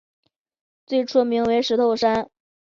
最初名为石头山。